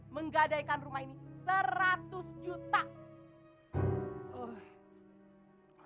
menggadaikan rumah ini seratus juta